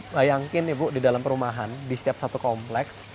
bayangin ibu di dalam perumahan di setiap satu kompleks